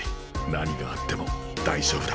何があっても大丈夫だ。